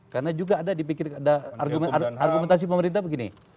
karena juga ada dipikirkan ada argumentasi pemerintah begini